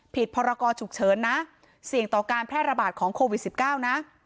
พรกรฉุกเฉินนะเสี่ยงต่อการแพร่ระบาดของโควิด๑๙นะ